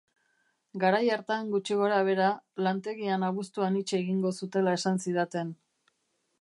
Garai hartan gutxi gorabehera, lantegian abuztuan itxi egingo zutela esan zidaten.